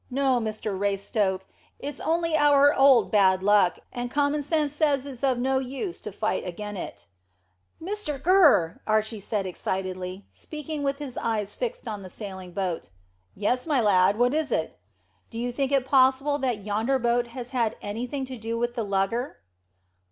No, Mr Raystoke, it's only our old bad luck, and common sense says it's of no use to fight again it." "Mr Gurr," said Archy excitedly, speaking with his eyes fixed on the sailing boat. "Yes, my lad, what is it?" "Do you think it possible that yonder boat has had anything to do with the lugger?"